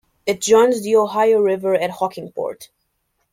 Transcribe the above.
It joins the Ohio River at Hockingport.